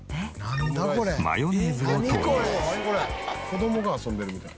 子供が遊んでるみたい。